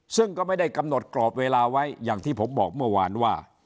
ซึ่งก็ไม่ได้กำหนดกรอบเวลาไว้อย่างที่ผมบอกเมื่อวานว่า